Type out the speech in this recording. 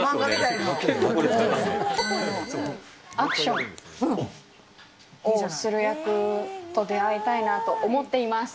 アクションをする役と出会いたいなと思っています。